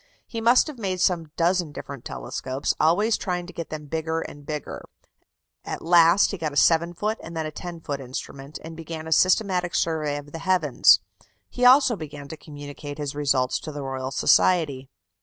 He must have made some dozen different telescopes, always trying to get them bigger and bigger; at last he got a 7 foot and then a 10 foot instrument, and began a systematic survey of the heavens; he also began to communicate his results to the Royal Society.